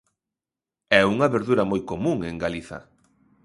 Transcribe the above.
É unha verdura moi común en Galiza.